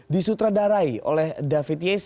disutradari oleh david yates